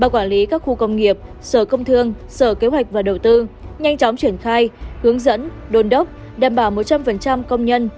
quản lý các khu công nghiệp sở công thương sở kế hoạch và đầu tư nhanh chóng triển khai hướng dẫn đồn đốc đảm bảo một trăm linh công nhân